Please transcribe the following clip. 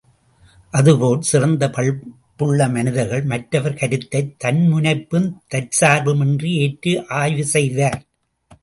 அதுபோல் சிறந்த பண்புள்ள மனிதர்கள் மற்றவர் கருத்தைத் தன்முனைப்பும் தற்சார்புமின்றி ஏற்று ஆய்வு செய்வர்.